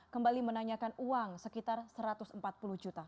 kembali menanyakan uang sekitar satu ratus empat puluh juta